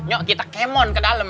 nyok kita kemon ke dalem